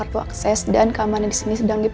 randy juga ada apartemen di sini mbak